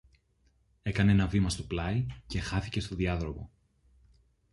έκανε ένα βήμα στο πλάι και χάθηκε στο διάδρομο